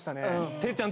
哲ちゃん